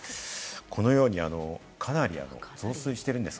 このように、かなり増水しています。